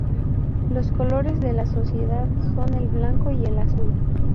Los colores de la sociedad son el blanco y el azul.